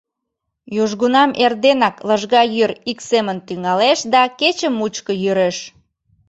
Южгунам эрденак лыжга йӱр ик семын тӱҥалеш да кече мучко йӱреш.